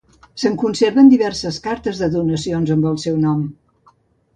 Se'n conserven diverses cartes de donacions amb el seu nom.